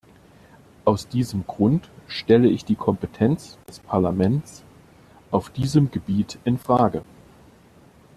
Aus diesem Grund stelle ich die Kompetenz des Parlaments auf diesem Gebiet in Frage.